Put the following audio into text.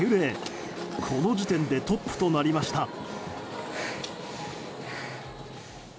この時点でトップとなりました。